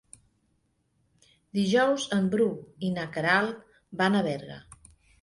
Dijous en Bru i na Queralt van a Berga.